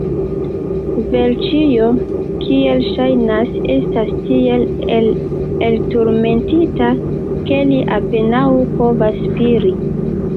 Vilĉjo, kiel ŝajnas, estas tiel elturmentita, ke li apenaŭ povas spiri.